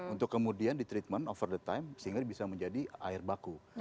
untuk kemudian di treatment over the time sehingga bisa menjadi air baku